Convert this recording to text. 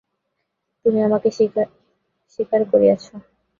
তুমি আমাকে স্বীকার করিয়েছ।